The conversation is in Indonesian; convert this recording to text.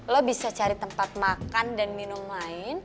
lo bisa cari tempat makan dan minum lain